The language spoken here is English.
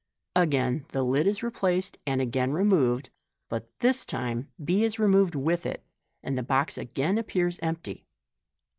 Again the lid is replaced, and again removed ; but this time b is removed with it, and the box again appears empty.